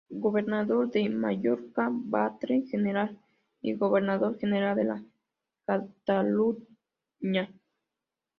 Gobernador de Mallorca, "batlle general" y gobernador general de Cataluña.